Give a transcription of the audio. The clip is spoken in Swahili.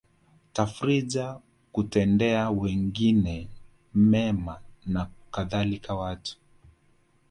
tafrija kutendea wengine mema na kadhalika Watu